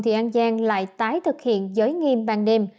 thì an giang lại tái thực hiện giới nghiêm ban đêm